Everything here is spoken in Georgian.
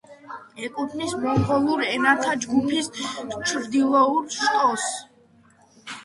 ეკუთვნის მონღოლურ ენათა ჯგუფის ჩრდილოურ შტოს.